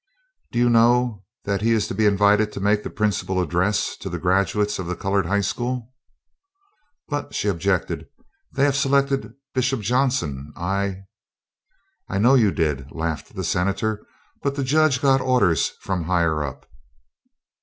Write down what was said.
"Did you know that he is to be invited to make the principal address to the graduates of the colored high school?" "But," she objected. "They have selected Bishop Johnson; I " "I know you did," laughed the Senator, "but the Judge got orders from higher up."